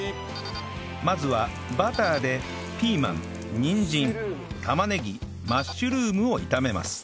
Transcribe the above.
まずはバターでピーマンにんじん玉ねぎマッシュルームを炒めます